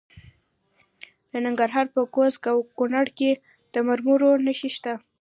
د ننګرهار په کوز کونړ کې د مرمرو نښې شته.